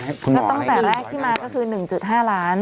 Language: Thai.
ก็ตั้งแต่แรกที่มาก็คือ๑๕ล้าน